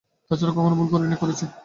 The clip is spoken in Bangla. তাছাড়া কখনো ভুলও করিনি, করেছি?